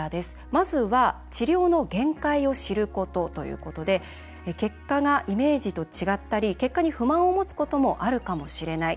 まずは、治療の限界を知ることということで結果がイメージと違ったり結果に不満を持つこともあるかもしれない。